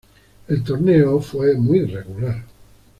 El torneo fue muy irregular.